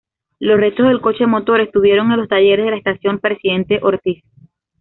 Los restos del coche motor estuvieron en los talleres de la estación Presidente Ortiz.